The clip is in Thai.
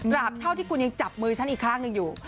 เท่าที่คุณยังจับมือฉันอีกข้างหนึ่งอยู่